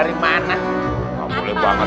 itu buluk banget